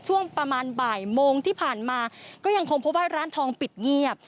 ช่วงประมาณบ่ายโมงที่ผ่านมาก็ยังคงพบว่าร้านทองปิดเงียบ